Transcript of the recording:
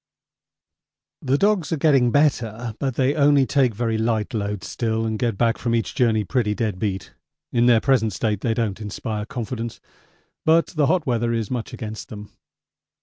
The dogs are getting better, but they only take very light loads still and get back from each journey pretty dead beat. In their present state they don't inspire confidence, but the hot weather is much against them.